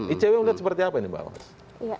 icw melihat seperti apa ini mbak mas